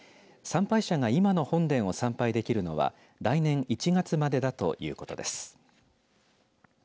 参拝者が今の本殿を参拝できるのは来年１月までだということです。